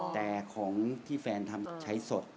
แต่ของที่แฟนทำใช้สด